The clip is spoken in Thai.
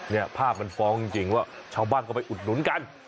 เนี่ยภาพมันฟ้องจริงว่าชาวบ้านก็ไปอุดหนุนกัน